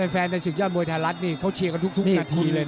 แฟนในศึกยอดมวยไทยรัฐเค้าเชียกกันทุกนาทีเลยนะ